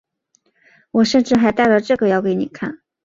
我甚至还带了这个要给你看